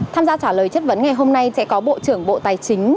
tham gia trả lời chất vấn ngày hôm nay sẽ có bộ trưởng bộ tài chính